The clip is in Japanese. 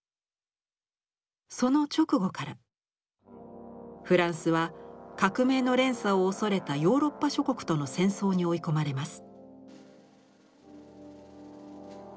その直後からフランスは革命の連鎖を恐れたヨーロッパ諸国との戦争に追い込まれます。